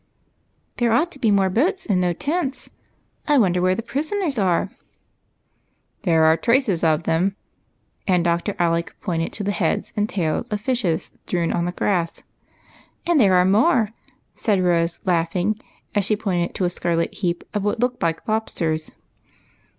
" There ought to be more boats and no tents. I wonder where the prisoners are ?"'' There are traces of them," and Dr. Alec jDointed to the heads and tails of fishes strewn on the grass. " And there are more," said Rose, laughing, as she pointed to a scarlet heap of what looked like lobsters.